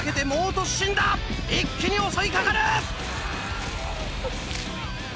一気に襲い掛かる！